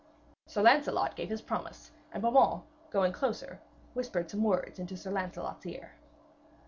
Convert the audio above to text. Sir Lancelot gave his promise, and Beaumains, going closer, whispered some words into Sir Lancelot's ear.